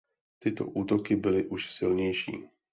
Tyto útoky byly už silnější.